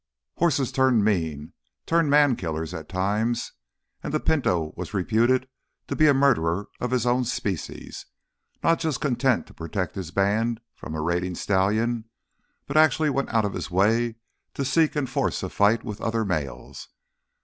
Horses turned mean, turned man killer at times. And the Pinto was reputed to be a murderer of his own species. Not just content to protect his band from a raiding stallion, he actually went out of his way to seek and force a fight with other males.